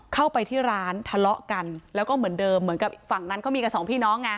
เข้าไปที่ร้านทะเลาะกันแล้วก็เหมือนเดิมเหมือนกับฝั่งนั้นเขามีกันสองพี่น้องไง